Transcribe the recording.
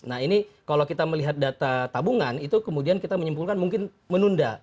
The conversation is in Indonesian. nah ini kalau kita melihat data tabungan itu kemudian kita menyimpulkan mungkin menunda